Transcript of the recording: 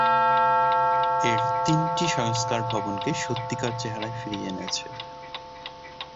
এর তিনটি সংস্কার ভবনকে সত্যিকার চেহারায় ফিরিয়ে এনেছে।